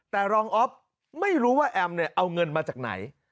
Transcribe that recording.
แต่รองอ๊อฟไม่รู้ว่าแอมเนี่ยเอาเงินมาจากไหน